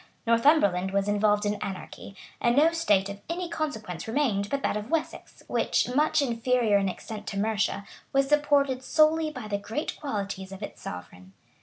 Northumberland was involved in anarchy; and no state of any consequence remained but that of Wessex, which, much inferior in extent to Mercia, was supported solely by the great qualities of its sovereign.